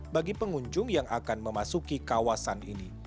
bagi pengunjung yang akan memasuki kawasan ini